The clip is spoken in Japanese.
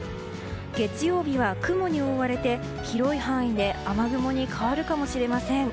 月曜日は雲に覆われて広い範囲で雨雲に変わるかもしれません。